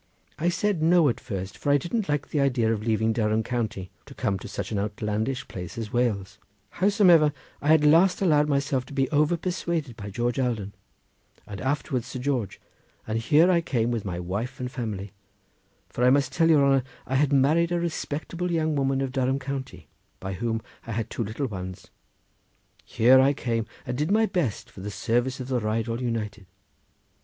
I said no, at first, for I didn't like the idea of leaving Durham county to come to such an outlandish place as Wales; howsomever, I at last allowed myself to be overpersuaded by George Alden, afterwards Sir George, and here I came with my wife and family, for I must tell your honour I had married a respectable young woman of Durham county, by whom I had two little ones—here I came and did my best for the service of the Rheidol United.